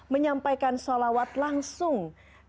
menyampaikan sholawat langsung